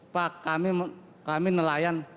pak kami nelayan